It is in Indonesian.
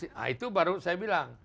nah itu baru saya bilang